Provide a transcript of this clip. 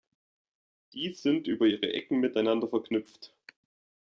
Dies sind über ihre Ecken miteinander verknüpft.